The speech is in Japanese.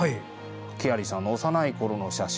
ケアリーさんの幼いころの写真。